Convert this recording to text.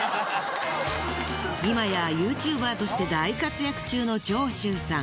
今やＹｏｕＴｕｂｅｒとして大活躍中の長州さん。